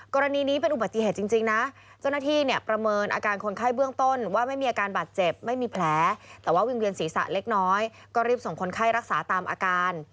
กรณีนี้เป็นอุบัติเหตุจริงนะเจ้าหน้าที่เนี่ยประเมินอาการคนไข้เบื้องต้นว่าไม่มีอาการบาดเจ็บไม่มีแผลแต่ว่าวิ่งเวียนศีรษะเล็กน้อยก็รีบส่งคนไข้รักษาตามอาการ